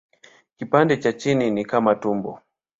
Kipande cha chini ni kama tumbo.